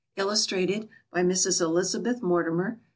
Illustrated. By Mrs. ELIZABETH MORTIMER.